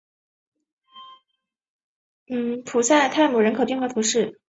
塞普泰姆人口变化图示